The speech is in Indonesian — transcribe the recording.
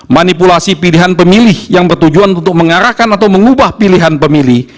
manipulasi pilihan pemilih yang bertujuan untuk mengarahkan atau mengubah pilihan pemilih